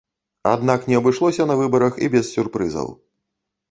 Аднак не абышлося на выбарах і без сюрпрызаў.